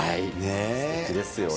すてきですよね。